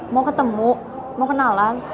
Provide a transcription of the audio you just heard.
mau ketemu mau kenalan